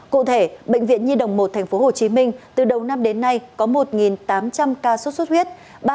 cụ thể bệnh viện nhi đồng một tp hcm từ đầu năm đến nay có một tám trăm linh ca sốt xuất huyết